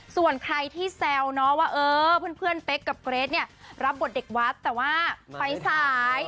ส่วนใครที่แซวเนาะว่าเออเพื่อนเป๊กกับเกรทเนี่ยรับบทเด็กวัดแต่ว่าไปสาย